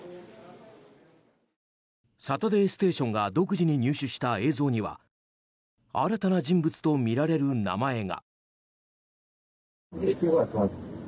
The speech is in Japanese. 「サタデーステーション」が独自に入手した映像には新たな人物とみられる名前が。